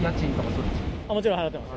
もちろん、払ってます。